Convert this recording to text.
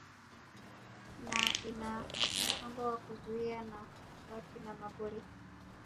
na ina mpango wa kuzuia na kubaki na magoli